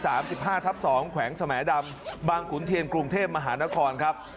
สิบห้าทับสองแขวงสมดำบางขุนเทียนกรุงเทพมหานครครับ